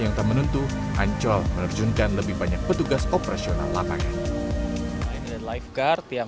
yang menuntuh ancol menerjunkan lebih banyak petugas operasional lapangan lifeguard yang